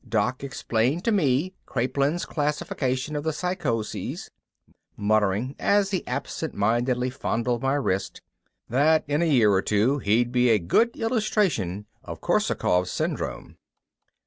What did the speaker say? Doc explained to me Kraepelin's classification of the psychoses, muttering, as he absentmindedly fondled my wrist, that in a year or two he'd be a good illustration of Korsakov's Syndrome.